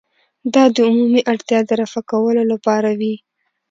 دا د عمومي اړتیا د رفع کولو لپاره وي.